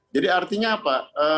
jadi artinya apa